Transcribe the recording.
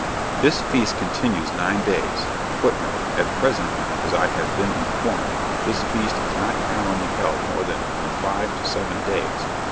This feast continues nine days, [Footnote: At present, as I have been informed, this feast is not commonly held more than from five to seven days.